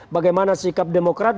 bagaimana sikap demokrat